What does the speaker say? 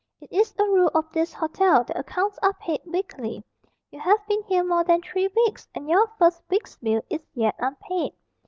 It is a rule of this hotel that accounts are paid weekly. You have been here more than three weeks, and your first week's bill is yet unpaid.